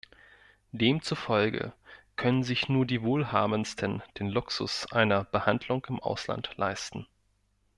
Demzufolge können sich nur die Wohlhabendsten den Luxus einer Behandlung im Ausland leisten.